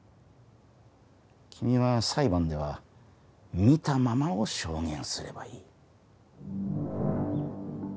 君は裁判では見たままを証言すればいい。